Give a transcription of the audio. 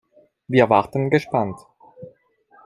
Wir warten gespannt.